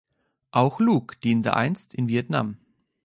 Auch Luke diente einst in Vietnam.